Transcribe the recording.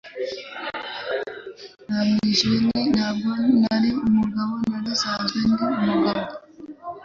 Namwishuye nti Ntabwo nari umugabo nari nsanzwe ndi umugabo